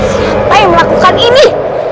siapa yang melakukan ini